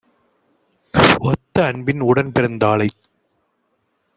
ஒத்த அன்பின் உடன்பிறந் தாளைத்